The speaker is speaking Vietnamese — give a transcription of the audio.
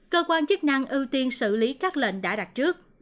cơ quan chức năng ưu tiên xử lý các lệnh đã đặt trước